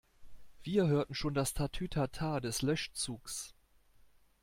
Wir hörten schon das Tatütata des Löschzugs.